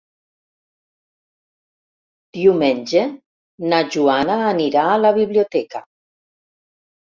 Diumenge na Joana anirà a la biblioteca.